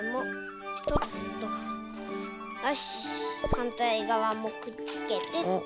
はんたいがわもくっつけてっと。